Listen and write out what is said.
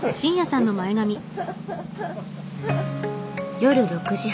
夜６時半。